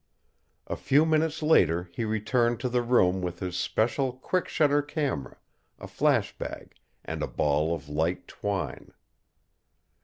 A few minutes later he returned to the room with his special quick shutter camera, a flash bag, and a ball of light twine.